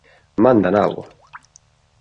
Manda nabo!